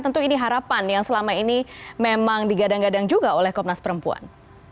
tentu ini harapan yang selama ini memang digadang gadang juga oleh komnas perempuan